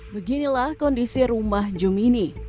beginilah kondisi rumah jumini